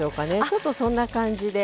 ちょっとそんな感じで。